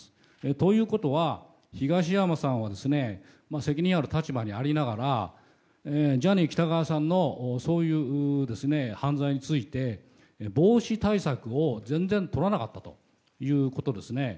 ということは、東山さんは責任ある立場にありながらジャニー喜多川さんのそういう犯罪について防止対策を全然取らなかったということですね。